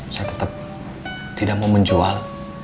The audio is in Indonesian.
saya tetap tidak mau menjual